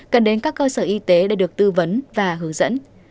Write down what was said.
cần đến các cơ sở y tế để được tư vấn và hướng dẫn